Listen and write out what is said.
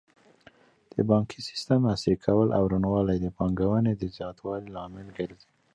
د بانکي سیسټم عصري کول او روڼوالی د پانګونې د زیاتوالي لامل ګرځي.